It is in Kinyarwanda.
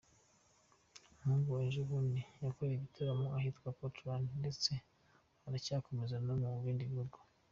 Nk’ubu ejobundi yakoreye ibitaramo ahitwa Portland, ndetse aracyakomeza no mu bindi bihugu.